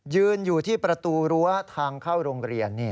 ยืนอยู่ที่ประตูรั้วทางเข้าโรงเรียน